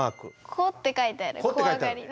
「こ」って書いてある「こわがり」の。